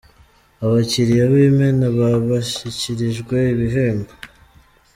Abakiliya b’imena ba bashyikirijwe ibihembo